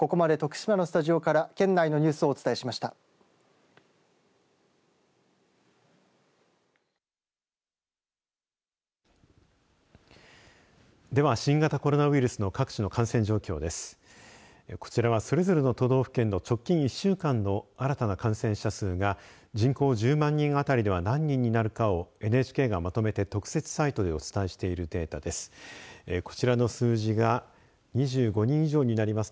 こちらはそれぞれの都道府県の直近１週間の新たな感染者数が人口１０万人あたりでは何人になるかをＮＨＫがまとめて特設サイトでお伝えしているデータです。